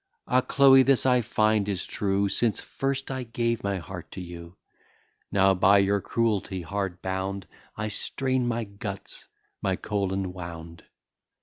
Ah! Chloe, this I find is true, Since first I gave my heart to you. Now, by your cruelty hard bound, I strain my guts, my colon wound.